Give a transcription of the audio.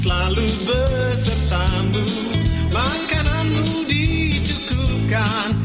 selalu bersertamu makananmu dicukupkan